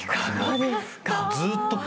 ずっと。